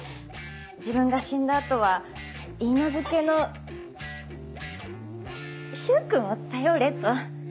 自分が死んだ後は許嫁のしゅ柊君を頼れと。